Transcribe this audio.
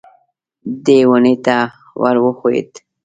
دی ونې ته ور وښوېد.